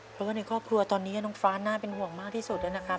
เพราะว่าในครอบครัวตอนนี้น้องฟ้าน่าเป็นห่วงมากที่สุดนะครับ